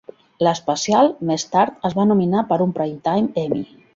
L'especial, més tard, es va nominar per un Primetime Emmy.